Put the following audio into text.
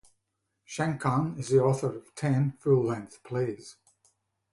Schenkkan is the author of ten full-length plays.